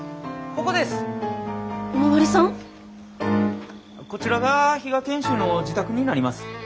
こちらが比嘉賢秀の自宅になります。